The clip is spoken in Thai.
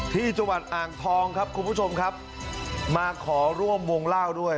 ที่จังหวัดอ่างทองครับคุณผู้ชมครับมาขอร่วมวงเล่าด้วย